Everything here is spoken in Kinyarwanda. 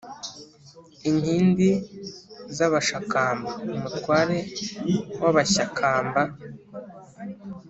. Inkindi z’Abashakamba: Umutware w’Abashyakamba.